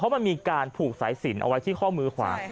มันมีการผูกสายสินเอาไว้ที่ข้อมือขวา